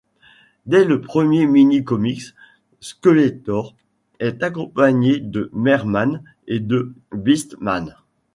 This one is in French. Dès le premier minicomics, Skeletor est accompagné de Mer-man et de Beast Man.